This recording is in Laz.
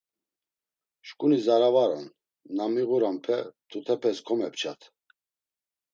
Şǩuni zara var on, na miğuranpe mtutepes komepçat.